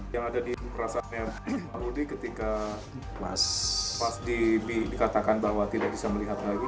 yang ada di perasaan rudy ketika pas dikatakan bahwa tidak bisa melihat lagi